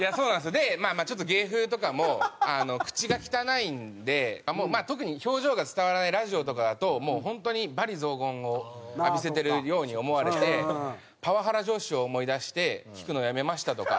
でまあまあちょっと芸風とかも口が汚いんで特に表情が伝わらないラジオとかだともう本当に罵詈雑言を浴びせてるように思われて「パワハラ上司を思い出して聴くのをやめました」とか。